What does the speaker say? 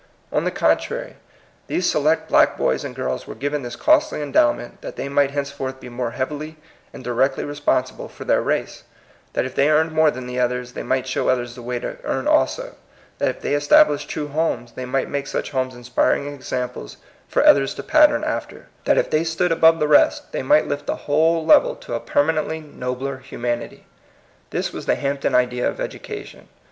On the contrary, these select black boys and girls were given this costly endowment, that they might henceforth be more heavily and directly responsible for their race ; that if they earned more than others, they might show others the way to earn also; that if they established true homes, they might make such homes inspiring examples for others to pattern after; that if they stood above the rest, they might lift the whole PROBLEM OF THE PROSPEROUS. 126 level to a permanently nobler humanity. This was the Hampton idea of education.